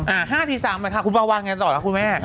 อ่าห้าทีสามเลยค่ะคุณปราวันยังไงต่อแล้วคุณแม่